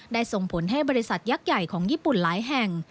ส่งผลให้บริษัทยักษ์ใหญ่ของญี่ปุ่นหลายแห่ง